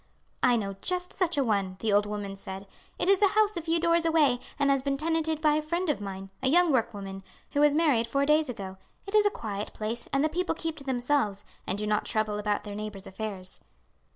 "I know just such a one," the old woman said. "It is a house a few doors away and has been tenanted by a friend of mine, a young workwoman, who was married four days ago it is a quiet place, and the people keep to themselves, and do not trouble about their neighbours' affairs."